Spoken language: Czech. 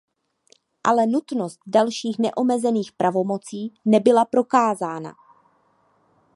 Ale nutnost dalších neomezených pravomocí nebyla prokázána.